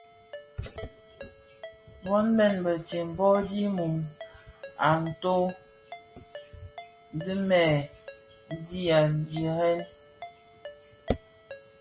Bon bèn betsem bō dhi mum a toň dhimèè dii a dhirèn.